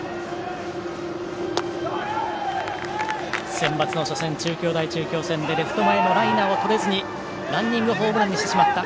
センバツの初戦、中京大中京戦でレフト前のライナーをとれずにランニングホームランにしてしまった。